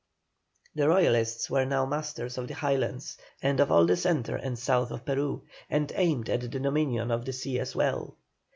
The Royalists were now masters of the Highlands, and of all the centre and south of Peru, and aimed at the dominion of the sea as well.